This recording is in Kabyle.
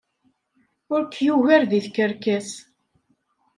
Ur k-yugar deg tkerkas.